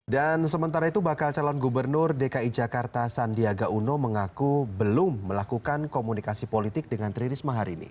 dan sementara itu bakal calon gubernur dki jakarta sandiaga uno mengaku belum melakukan komunikasi politik dengan trinisma hari ini